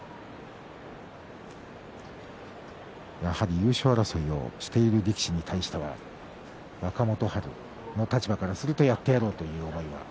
やはり優勝争いをしている力士に対しては若元春の立場からするとやってやろうという思いは。